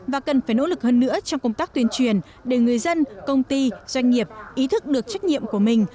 và cần phải nỗ lực hơn nữa trong công tác tuyên truyền để người dân công ty doanh nghiệp ý thức được trách nhiệm của mình